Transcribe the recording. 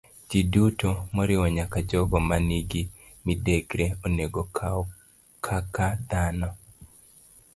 Jiduto, moriwo nyaka jogo ma nigi midekre, onego okaw kaka dhano.